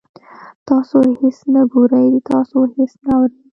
تاسو هیڅ نه ګورئ، تاسو هیڅ نه اورئ